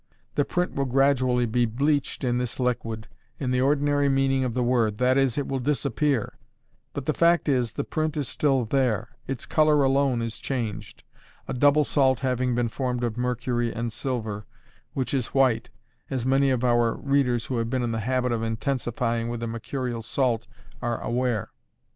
The print will gradually be bleached in this liquid, in the ordinary meaning of the word that is, it will disappear; but the fact is, the print is still there its color alone is changed, a double salt having been formed of mercury and silver, which is white, as many of our readers, who have been in the habit of intensifying with a mercurial salt, are aware.